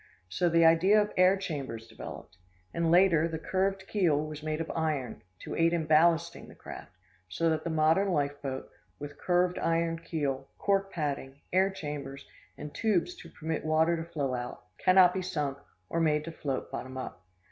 So the idea of air chambers developed: and later the curved keel was made of iron, to aid in ballasting the craft: so that the modern life boat, with curved iron keel, cork padding, air chambers, and tubes to permit water to flow out, cannot be sunk, or made to float bottom up.